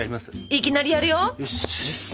いきなりやるよ！